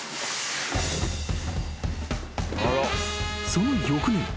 ［その翌年。